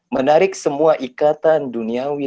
menarik semua ikatan duniawi